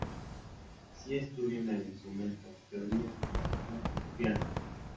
Si estudian el instrumento, teoría, composición, piano.